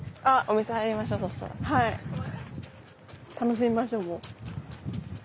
楽しみましょうもう。